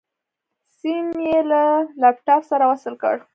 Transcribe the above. سيم يې له لپټاپ سره وصل کړ.